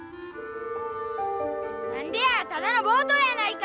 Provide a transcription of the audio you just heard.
何でやただの暴投やないか！